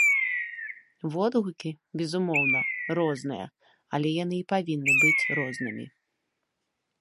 Водгукі, безумоўна, розныя, але яны і павінны быць рознымі.